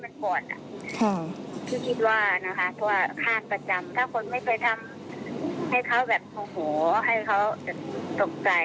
ก็ก็ทักทีเขาสนแยกไปใบเอกสารให้